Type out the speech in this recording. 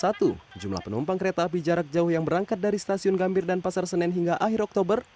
sejumlah penumpang kereta api jarak jauh yang berangkat dari stasiun gambir dan pasar senen hingga akhir oktober